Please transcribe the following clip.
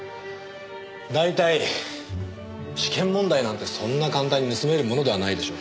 大体試験問題なんてそんな簡単に盗めるものではないでしょう？